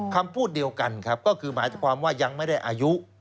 คำพูดเดียวกันครับก็คือหมายความว่ายังไม่ได้อายุ